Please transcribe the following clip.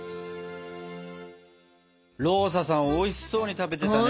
ローサさんおいしそうに食べてたね！